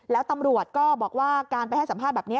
แล้วตำรวจก็บอกว่าการไปให้สัมภาษณ์แบบนี้